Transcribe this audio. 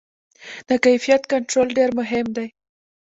د کیفیت کنټرول ډېر مهم دی.